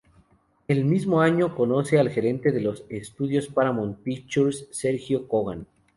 El mismo año conoce al gerente de los estudios Paramount Pictures, Sergio Kogan.